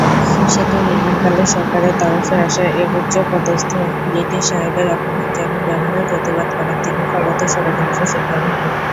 সেতু নির্মাণকালে সরকারের তরফে আসা এক উচ্চপদস্থ ব্রিটিশ সাহেবের অপমানজনক ব্যবহারের প্রতিবাদ করেন তিনি ফলত ষড়যন্ত্রের শিকার হন।